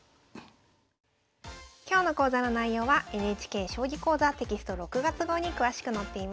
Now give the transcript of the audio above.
今日の講座の内容はＮＨＫ「将棋講座」テキスト６月号に詳しく載っています。